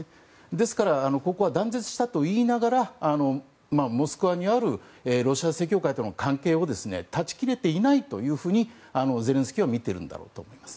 ですからここは断絶したといいながらモスクワにあるロシア正教会との関係を断ち切れていないというふうにゼレンスキーは見ているんだろうと思います。